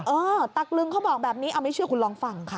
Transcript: เออตะกลึงเขาบอกแบบนี้เอาไม่เชื่อคุณลองฟังค่ะ